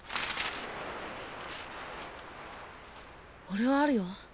俺はあるよ